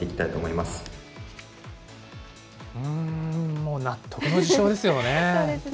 もう納得の受賞ですよね。